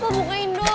pak bukain dong